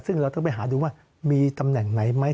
ซึ่งเราต้องไปหาดูว่ามีตำแหน่งไหนไหม